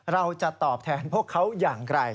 เราจะตอบแทนพวกเขาอย่างไร